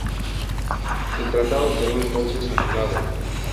El tratado quedó entonces anulado.